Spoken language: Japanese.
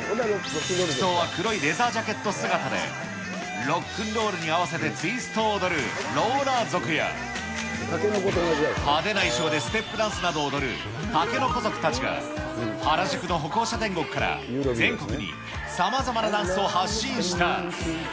服装は黒いレザージャケット姿で、ロックンロールに合わせてツイストを踊る、ローラー族や、派手な衣装でステップダンスなどを踊る竹の子族たちが、原宿の歩行者天国から全国にさまざまなダンスを発信した。